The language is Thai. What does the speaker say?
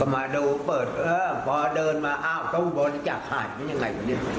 ก็มาดูเปิดเออพอเดินมาอ้าวตรงบนจากขายเป็นยังไง